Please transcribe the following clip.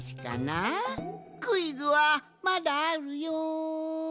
クイズはまだあるよん。